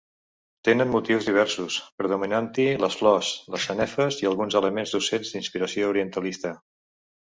Tenen motius diversos, predominant-hi les flors, les sanefes i alguns elements d'ocells d'inspiració orientalista.